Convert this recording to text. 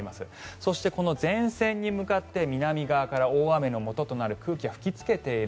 そして、この前線に向かって南側から大雨のもととなる空気が吹きつけている。